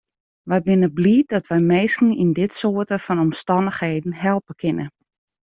Wy binne bliid dat wy minsken yn dit soarte fan omstannichheden helpe kinne.